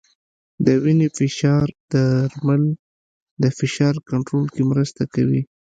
د وینې فشار درمل د فشار کنټرول کې مرسته کوي.